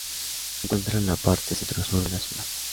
Se encuentra en la parte centro-sur de la ciudad.